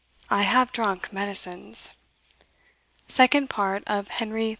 I have drunk medicines." Second Part of Henry IV.